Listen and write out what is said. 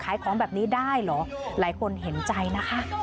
ขายของแบบนี้ได้เหรอหลายคนเห็นใจนะคะ